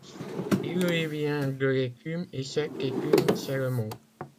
Il lui vient de l’écume, et cette écume, c’est le mot.